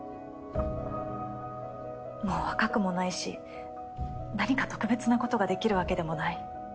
もう若くもないし何か特別なことができるわけでもない。